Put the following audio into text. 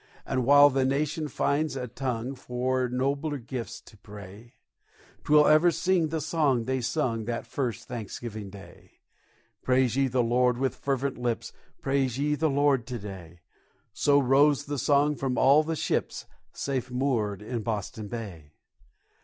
And while the nation finds a tongue For nobler gifts to pray, 'Twill ever sing the song they sung That first Thanksgiving Day: "Praise ye the Lord with fervent lips, Praise ye the Lord to day;" So rose the song from all the ships, Safe moored in Boston Bay.